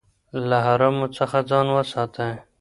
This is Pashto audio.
له حرامو څخه ځان وساتئ.